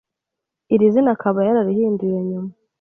iri zina akaba yararihinduye nyuma